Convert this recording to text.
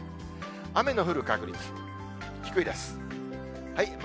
雨の降る確率、低いです。